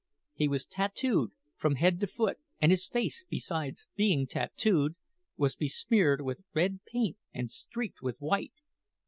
He was tattooed from head to foot; and his face, besides being tattooed, was besmeared with red paint and streaked with white.